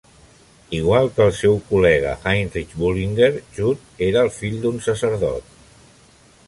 Igual que el seu col·lega Heinrich Bullinger, Jud era el fill d'un sacerdot.